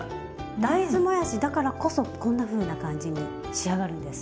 大豆もやしだからこそこんなふうな感じに仕上がるんです。